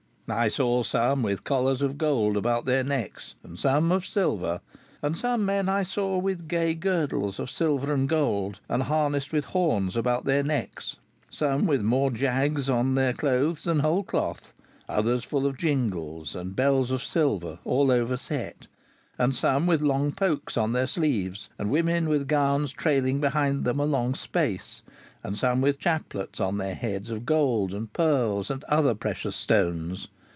"I saw some with collars of gold about their necks, and some of silver, and some men I saw with gay girdles of silver and gold, and harnessed with horns about their necks, some with mo jagges on their clothes than whole cloth, others full of jingles and bells of silver all over set, and some with long pokes on their sleeves, and women with gowns trailing behind them a long space, and some with chaplets on their heads of gold and pearls and other precious stones.